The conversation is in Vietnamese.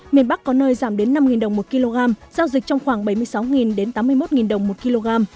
miền bắc có nơi giảm đến năm đồng một kg giao dịch trong khoảng bảy mươi sáu đến tám mươi một đồng một kg